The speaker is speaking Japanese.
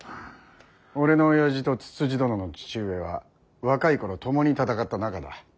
俺のおやじとつつじ殿の父上は若い頃共に戦った仲だ。